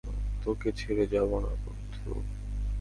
তোকে ছেড়ে যাব না, বন্ধু!